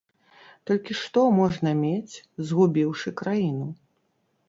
Толькі што можна мець, згубіўшы краіну?!